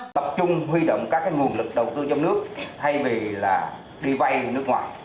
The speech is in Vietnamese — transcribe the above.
tập trung huy động các nguồn lực đầu tư trong nước thay vì đi vay nước ngoài